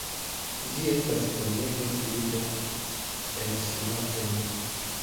Ĝi estas bonega kruda en salatoj.